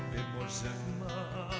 về một giấc mơ